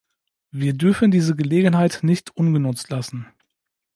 Wir dürfen diese Gelegenheit nicht ungenutzt lassen!